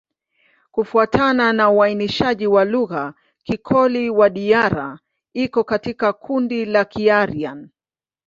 Kufuatana na uainishaji wa lugha, Kikoli-Wadiyara iko katika kundi la Kiaryan.